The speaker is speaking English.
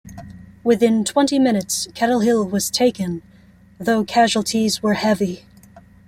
Within twenty minutes Kettle Hill was taken, though casualties were heavy.